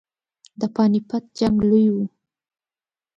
د پاني پټ جنګ لوی وو.